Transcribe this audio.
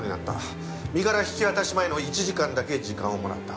身柄引き渡し前の１時間だけ時間をもらった。